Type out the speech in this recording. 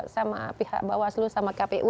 sama pihak bawaslu sama kpu